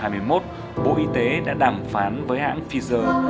vào giữa tháng bảy năm hai nghìn hai mươi một bộ y tế đã đàm phán với hãng pfizer